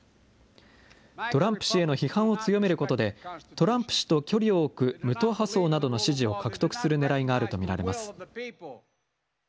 トランプ氏への批判を強めることで、トランプ氏と距離を置く無党派層などの支持を獲得するねらいがあると見られます。